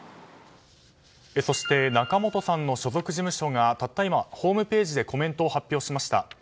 そして仲本さんの所属事務所がたった今、ホームページでコメントを発表しました。